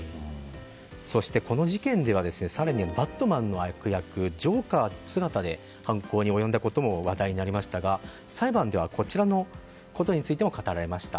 そして、この事件では更には「バットマン」の悪役ジョーカー姿で犯行に及んだことが話題になりましたが裁判ではこちらのことについても語られました。